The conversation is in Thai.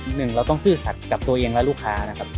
หนึ่งเราต้องซื่อสัตว์กับตัวเองและลูกค้านะครับ